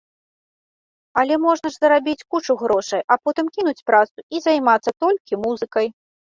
Але можна ж зарабіць кучу грошай, а потым кінуць працу і займацца толькі музыкай.